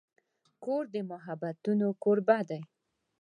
کور د محبتونو کوربه دی.